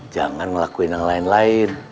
jangan ngelakuin yang lain lain